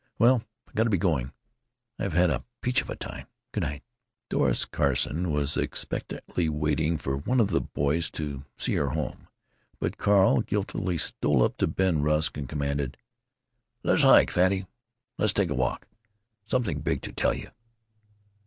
"Well, I gotta be going. I've had a peach of a time. Good night." Doris Carson was expectantly waiting for one of the boys to "see her home," but Carl guiltily stole up to Ben Rusk and commanded: "Le's hike, Fatty. Le's take a walk. Something big to tell you."